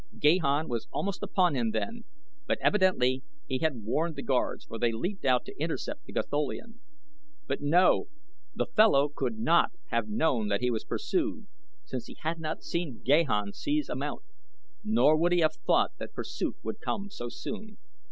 Gahan was almost upon him then, but evidently he had warned the guards, for they leaped out to intercept the Gatholian. But no! the fellow could not have known that he was pursued, since he had not seen Gahan seize a mount, nor would he have thought that pursuit would come so soon.